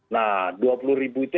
nah dua puluh ribu itu